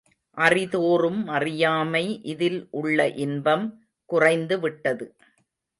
அறிதோறும் அறியாமை இதில் உள்ள இன்பம் குறைந்துவிட்டது.